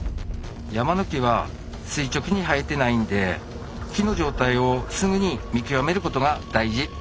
山の木は垂直に生えてないんで木の状態をすぐに見極めることが大事。